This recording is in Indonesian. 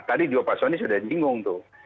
tadi juga pak soni sudah nyinggung tuh